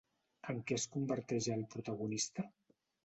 En què es converteix el protagonista?